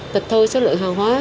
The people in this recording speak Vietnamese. tịch thu số lượng hàng hóa